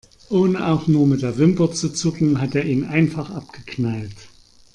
Ohne auch nur mit der Wimper zu zucken, hat er ihn einfach abgeknallt.